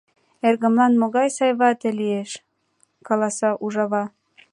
— Эргымлан могай сай вате лиеш! — каласа ужава.